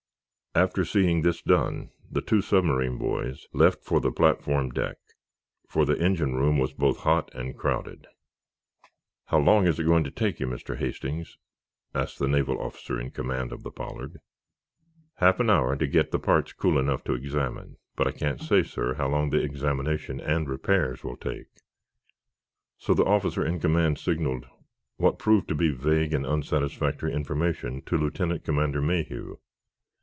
After seeing this done, the two submarine boys left for the platform deck, for the engine room was both hot and crowded. "How long is it going to take you, Mr. Hastings?" asked the naval officer in command of the "Pollard." "Half an hour to get the parts cool enough to examine, but I can't say, sir, how long the examination and repairs will take." So the officer in command signaled what proved to be vague and unsatisfactory information to Lieutenant Commander Mayhew.